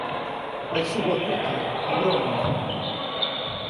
Пальцы вот какие — огромные!